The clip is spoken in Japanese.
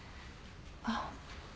あっ。